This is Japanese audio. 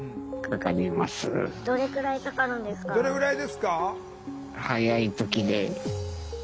どれぐらいですか？